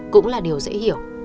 cũng là điều dễ hiểu